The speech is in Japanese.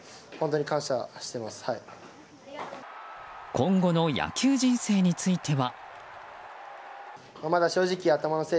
今後の野球人生については。